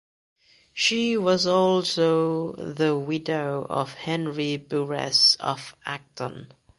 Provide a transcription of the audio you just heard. She was also the widow of Henry Bures of Acton.